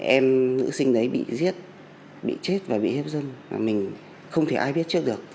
em nữ sinh đấy bị giết bị chết và bị hiếp dâm mình không thể ai biết trước được